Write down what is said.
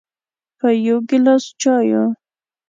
په یو ګیلاس چایو